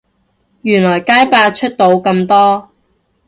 原來街霸出到咁多